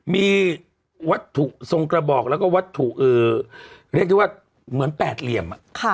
มีวัตถุทรงกระบอกแล้วก็วัตถุเรียกได้ว่าเหมือนแปดเหลี่ยม